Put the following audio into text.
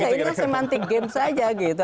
iya ini kan semantik game saja gitu